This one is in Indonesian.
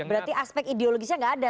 berarti aspek ideologisnya nggak ada